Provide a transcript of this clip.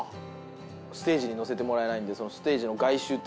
ステージにのせてもらえないんでステージの外周って呼ばれる所。